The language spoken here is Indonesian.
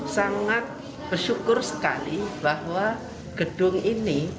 sangat bersyukur sekali bahwa gedung ini